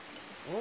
お？